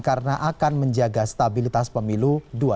karena akan menjaga stabilitas pemilu dua ribu sembilan belas